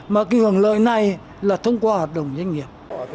mà cái hưởng lợi này là thông qua hoạt động doanh nghiệp